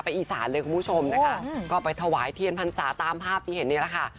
อีสานเลยคุณผู้ชมนะคะก็ไปถวายเทียนพรรษาตามภาพที่เห็นนี่แหละค่ะ